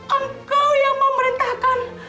engkau yang memerintahkan